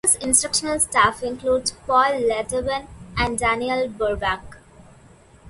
His instructional staff includes Paul Levitan and Daniel Burbank.